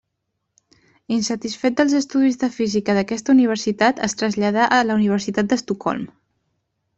Insatisfet dels estudis de física d'aquesta universitat, es traslladà a la Universitat d'Estocolm.